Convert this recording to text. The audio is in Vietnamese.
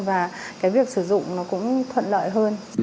và cái việc sử dụng nó cũng thuận lợi hơn